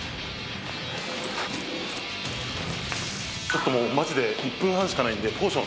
ちょっともうマジで１分半しかないんで。